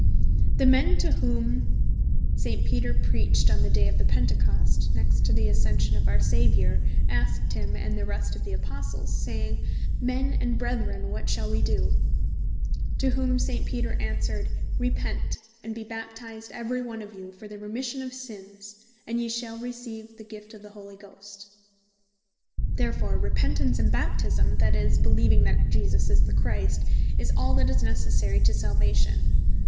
The men to whom St. Peter preached on the day of Pentecost, next after the Ascension of our Saviour, asked him, and the rest of the Apostles, saying, (Act. 2.37.) "Men and Brethren what shall we doe?" to whom St. Peter answered (in the next verse) "Repent, and be Baptized every one of you, for the remission of sins, and ye shall receive the gift of the Holy Ghost." Therefore Repentance, and Baptisme, that is, beleeving that Jesus Is The Christ, is all that is Necessary to Salvation.